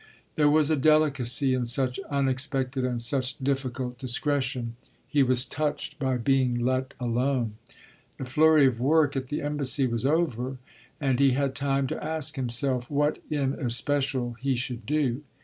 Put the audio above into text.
There was a delicacy in such unexpected and such difficult discretion he was touched by being let alone. The flurry of work at the embassy was over and he had time to ask himself what in especial he should do.